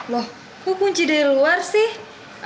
loh kunci dari luar sih